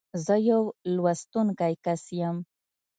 زه يو لوستونکی کس یم.